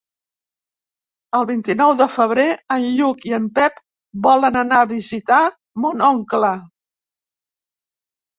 El vint-i-nou de febrer en Lluc i en Pep volen anar a visitar mon oncle.